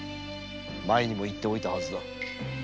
前にも言っておいたはずだ。